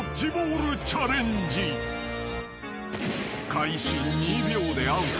［開始２秒でアウト。